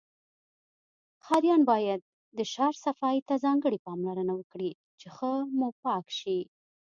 ښاریان باید د شار صفایی ته ځانګړی پاملرنه وکړی چی ښه موپاک شی